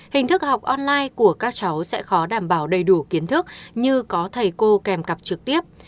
hình thức học online của các cháu sẽ khó đảm bảo đầy đủ kiến thức như có thầy cô kèm cặp trực tiếp